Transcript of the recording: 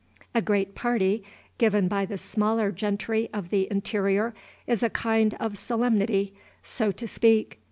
A great party given by the smaller gentry of the interior is a kind of solemnity, so to speak.